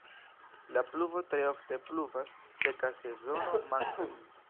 La pluvo tre ofte pluvas, seka sezono mankas.